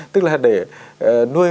tức là để nuôi